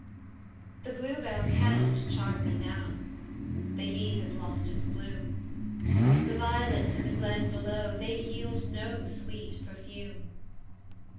The Bluebell cannot charm me now, The heath has lost its bloom; The violets in the glen below, They yield no sweet perfume.